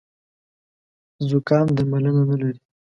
زوکام درملنه نه لري